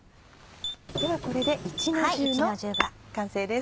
ではこれで一の重の完成です。